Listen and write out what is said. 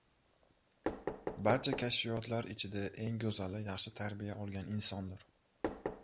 Barcha kashfiyotlar ichida eng go‘zali yaxshi tarbiya olgan insondir.